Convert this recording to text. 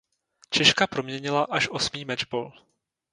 Češka proměnila až osmý mečbol.